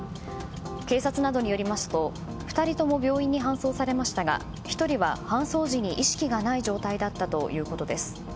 警察などによりますと２人とも病院に搬送されましたが１人は搬送時に意識がない状態だったということです。